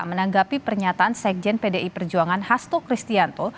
menanggapi pernyataan sekjen pdi perjuangan hasto kristianto